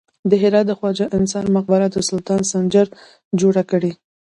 د هرات د خواجه انصاري مقبره د سلطان سنجر جوړه کړې